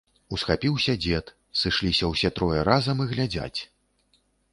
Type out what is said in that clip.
Усхапіўся дзед, сышліся ўсе трое разам і глядзяць.